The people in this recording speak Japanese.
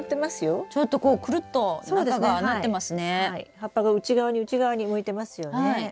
葉っぱが内側に内側に向いてますよね。